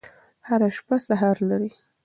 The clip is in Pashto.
هره شپه سهار لري.